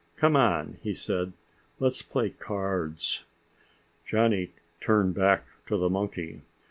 "Come on," he said, "let's play cards." Johnny turned back to the monkey.